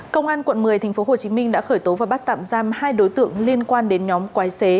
công an quận một mươi tp hcm đã khởi tố và bắt tạm giam hai đối tượng liên quan đến nhóm quái xế